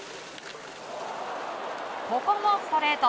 ここもストレート。